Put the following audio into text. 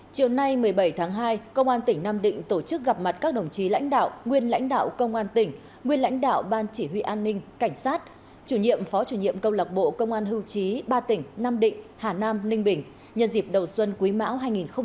chiều nay một mươi bảy tháng hai công an tỉnh nam định tổ chức gặp mặt các đồng chí lãnh đạo nguyên lãnh đạo công an tỉnh nguyên lãnh đạo ban chỉ huy an ninh cảnh sát chủ nhiệm phó chủ nhiệm câu lạc bộ công an hưu trí ba tỉnh nam định hà nam ninh bình nhân dịp đầu xuân quý mão hai nghìn hai mươi bốn